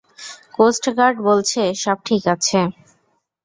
Coast guard বলছে সব ঠিক আছে।